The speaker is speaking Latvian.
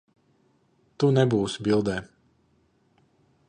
Tu nebūsi bildē.